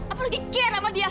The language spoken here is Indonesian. apalagi kira sama dia